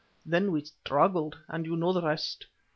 Then we struggled, and you know the rest.